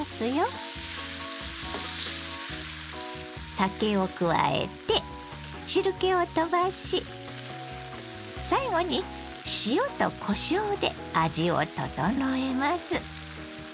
酒を加えて汁けをとばし最後に塩とこしょうで味を調えます。